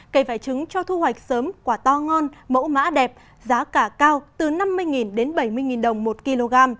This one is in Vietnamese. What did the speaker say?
cây vải trứng cho thu hoạch sớm quả to ngon mẫu mã đẹp giá cả cao từ năm mươi đến bảy mươi đồng một kg